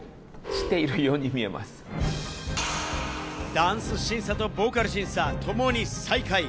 ダンス審査とボーカル審査、ともに最下位。